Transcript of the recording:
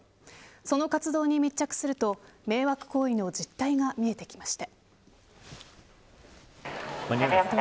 その活動に密着すると迷惑行為の実態が見えてきました。